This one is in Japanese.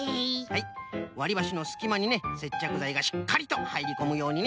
はいわりばしのすきまにねせっちゃくざいがしっかりとはいりこむようにね。